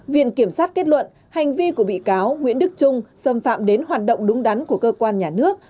viện kiểm sát kết luận hành vi của bị cáo nguyễn đức trung xâm phạm đến hoạt động đúng đắn của cơ quan nhà nước